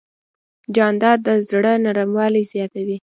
جانداد د زړه نرموالی زیاتوي.